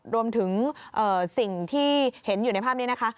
รวมถึงสิ่งที่เห็นอยู่ในภาพนี้นะคะ